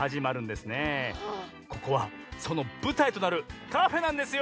ここはそのぶたいとなるカフェなんですよ！